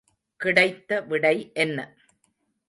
கிடைத்த விடை என்ன?